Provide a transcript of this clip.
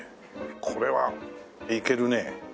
これはいけるね。